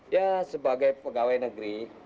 ya sebagai pegawai negeri